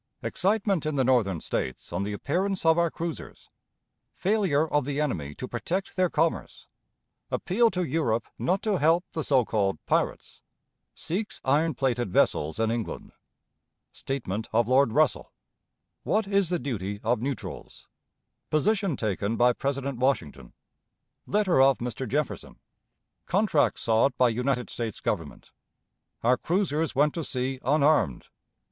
Excitement in the Northern States on the Appearance of our Cruisers. Failure of the Enemy to protect their Commerce. Appeal to Europe not to help the So called "Pirates." Seeks Iron plated Vessels in England. Statement of Lord Russell. What is the Duty of Neutrals? Position taken by President Washington. Letter of Mr. Jefferson. Contracts sought by United States Government. Our Cruisers went to Sea unarmed. Mr.